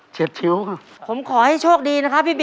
ขอโทษคุณคุณด้วยบียบริกาพิมพ์